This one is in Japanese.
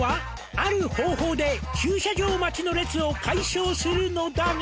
「ある方法で駐車場待ちの列を解消するのだが」